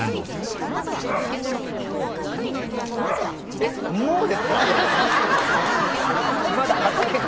えっもうですか？